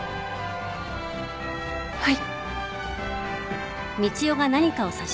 はい。